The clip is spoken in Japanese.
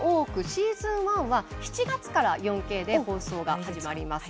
シーズン１はこの７月から４Ｋで放送が始まります。